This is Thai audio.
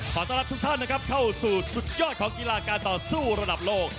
ขอต้อนรับทุกท่านนะครับเข้าสู่สุดยอดของกีฬาการต่อสู้ระดับโลก